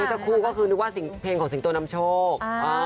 สักครู่ก็คือนึกว่าเพลงของสิงโตนำโชค